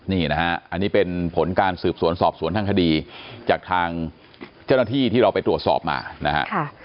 นี่นะฮะอันนี้เป็นผลการสืบสวนสอบสวนทางคดีจากทางเจ้าหน้าที่ที่เราไปตรวจสอบมานะฮะ